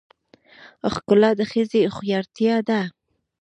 ښکلا د ښځې هوښیارتیا ده .